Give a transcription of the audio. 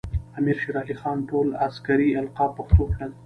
امیر شیر علی خان ټول عسکري القاب پښتو کړل.